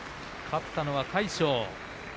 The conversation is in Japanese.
勝ったのは魁勝。